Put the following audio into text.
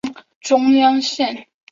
中央线